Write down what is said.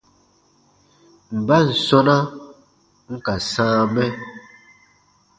Mban sɔ̃na n ka sãa mɛ ?